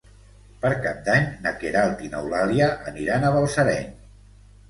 Per Cap d'Any na Queralt i n'Eulàlia aniran a Balsareny.